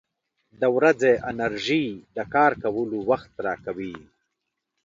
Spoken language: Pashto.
• د ورځې انرژي د کار کولو وخت راکوي.